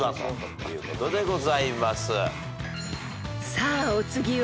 ［さあお次は］